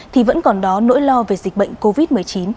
thì vẫn còn đó nỗi lo về dịch bệnh covid một mươi chín